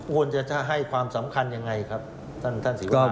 ควรจะให้ความสำคัญอย่างไรครับท่านศิวราค